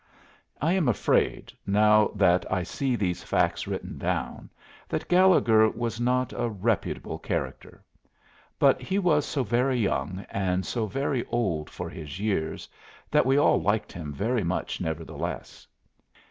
I am afraid, now that I see these facts written down, that Gallegher was not a reputable character; but he was so very young and so very old for his years that we all liked him very much nevertheless.